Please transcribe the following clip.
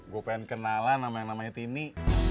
gue pengen kenalan nama yang namanya tini